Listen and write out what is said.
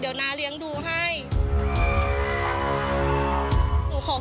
ควิทยาลัยเชียร์สวัสดีครับ